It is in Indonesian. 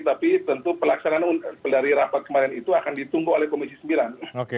tapi tentu pelaksanaan dari rapat kemarin itu akan ditunggu oleh komisi sembilan